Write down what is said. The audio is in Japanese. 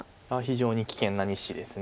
非常に危険な２子です。